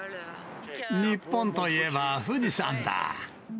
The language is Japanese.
日本といえば富士山だ。